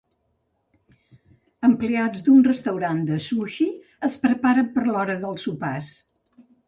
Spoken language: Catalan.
Empleats d'un restaurant de sushi es preparen per l'hora dels sopars.